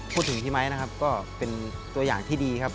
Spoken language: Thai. พี่ไมค์นะครับก็เป็นตัวอย่างที่ดีครับ